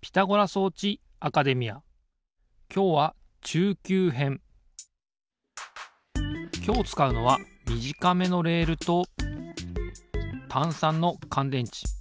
きょうはきょうつかうのはみじかめのレールとたん３のかんでんち。